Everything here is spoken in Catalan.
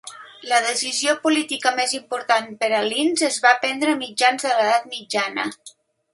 La decisió política més important per a Linz es va prendre a finals de l'edat mitjana.